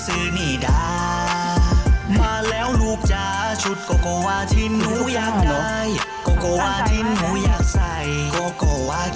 เอาว่ากมาเลยโกโกว่า